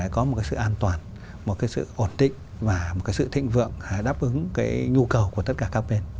có một cái sự an toàn một cái sự ổn định và một cái sự thịnh vượng đáp ứng cái nhu cầu của tất cả các bên